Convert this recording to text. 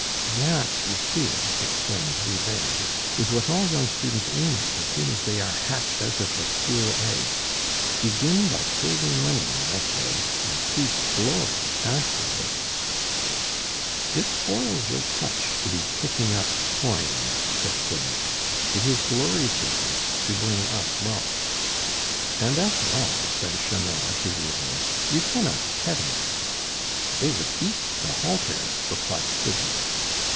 "That, you see," exclaimed Rivet, "is what all young students aim at as soon as they are hatched out of the school egg. Begin by saving money, I say, and seek glory afterwards." "It spoils your touch to be picking up coin," said Stidmann. "It is Glory's business to bring us wealth." "And, after all," said Chanor to Rivet, "you cannot tether them." "They would eat the halter," replied Stidmann.